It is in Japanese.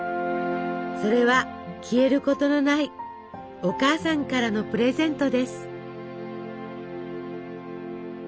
それは消えることのないお母さんからのプレゼントです。